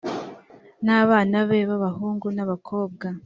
n abana be b abahungu n ab abakobwa